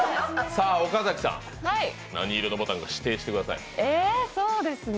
岡崎さん、何色のボタンか指定してください。